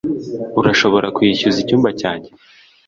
Urashobora kuyishyuza icyumba cyanjye